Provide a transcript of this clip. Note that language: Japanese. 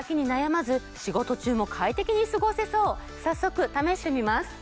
早速試してみます。